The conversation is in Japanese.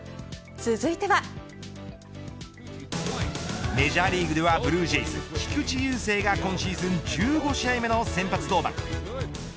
続いてはメジャーリーグではブルージェイズ菊池雄星が今シーズン１５試合目の先発登板。